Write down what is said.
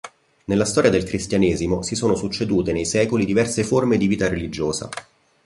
Nella storia del Cristianesimo si sono succedute nei secoli diverse forme di vita religiosa.